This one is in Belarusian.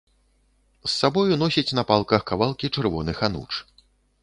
З сабою носяць на палках кавалкі чырвоных ануч.